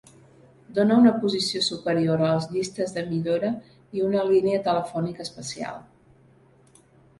Dóna una posició superior a les llistes de millora i una línia telefònica especial.